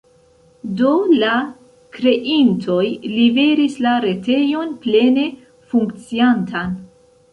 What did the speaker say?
Do la kreintoj liveris la retejon plene funkciantan.